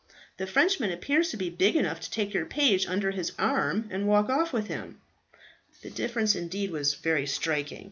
The Frenchman appears to be big enough to take your page under his arm and walk off with him." The difference was indeed very striking.